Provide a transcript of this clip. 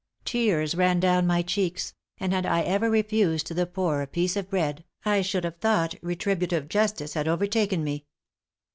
Tears ran down my cheeks; and had I ever refused to the poor a piece of bread, I should have thought retributive justice had overtaken me.